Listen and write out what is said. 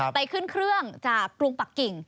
ไปขึ้นเครื่องจากกรุงปักกิ่ง